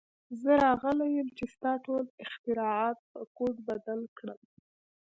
زه راغلی یم چې ستا ټول اختراعات په کوډ بدل کړم